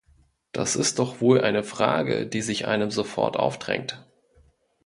Das ist doch wohl eine Frage, die sich einem sofort aufdrängt.